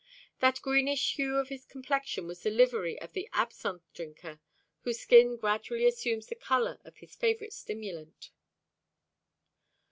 That greenish hue of his complexion was the livery of the absinthe drinker, whose skin gradually assumes the colour of his favourite stimulant.